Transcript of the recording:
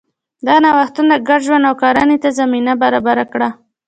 دا نوښتونه ګډ ژوند او کرنې ته زمینه برابره کړه.